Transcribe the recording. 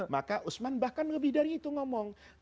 maka usman bahkan lebih dari itu ngomong